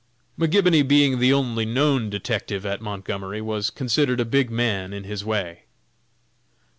McGibony being the only known detective at Montgomery, was considered a big man in his way.